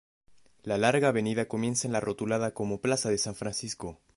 La larga avenida comienza en la rotulada como Plaza de San Francisco.